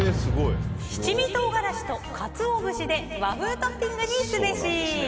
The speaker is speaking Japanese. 七味唐辛子とカツオ節で和風トッピングにすべし。